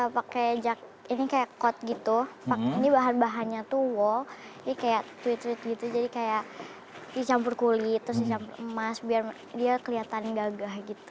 pake jaket ini kayak kot gitu ini bahan bahannya tuh wool ini kayak twit twit gitu jadi kayak dicampur kulit terus dicampur emas biar dia keliatan gagah gitu